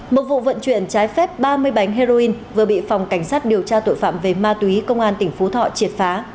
một vụ vận chuyển trái phép ba mươi bánh heroin vừa bị phòng cảnh sát điều tra tội phạm về ma túy công an tỉnh phú thọ triệt phá